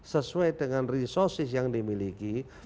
sesuai dengan resources yang dimiliki